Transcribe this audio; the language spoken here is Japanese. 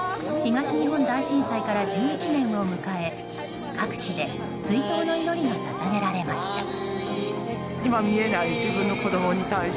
東日本大震災から１１年を迎え各地で追悼の祈りが捧げられました。